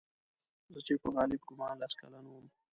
زه چې په غالب ګومان لس کلن وم.